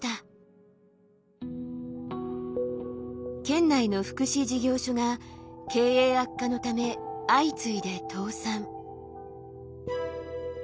県内の福祉事業所が経営悪化のため相次いで倒産。